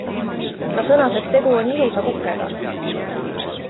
Ta sõnas, et tegu on ilusa kukega.